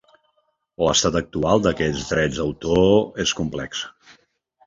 L'estat actual d'aquests drets d'autor és complex.